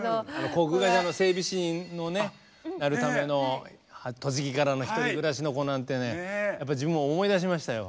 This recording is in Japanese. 航空会社の整備士のねなるための栃木からの１人暮らしの子なんてね自分も思い出しましたよ。